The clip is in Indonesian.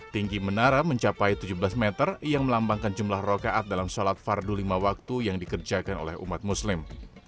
tinggi menara mencapai tujuh belas meter yang melambangkan jumlah rokaat dalam sholat fardu lima waktu yang dikerjakan oleh umat muslim